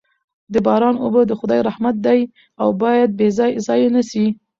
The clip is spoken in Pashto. د باران اوبه د خدای رحمت دی او باید بې ځایه ضایع نه سي.